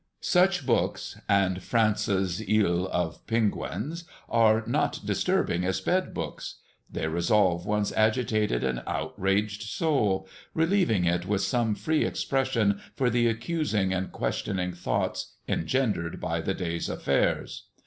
Such books, and France's "Isle of Penguins," are not disturbing as bed books. They resolve one's agitated and outraged soul, relieving it with some free expression for the accusing and questioning thoughts engendered by the day's affairs.